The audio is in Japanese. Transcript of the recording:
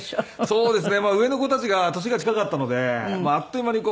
そうですね。